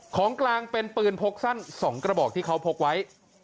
ของกลางเป็นปืนพกสั้น๒กระบอกที่เขาพกไว้